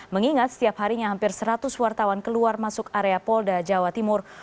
mengingat setiap harinya hampir seratus wartawan keluar masuk area polda jawa timur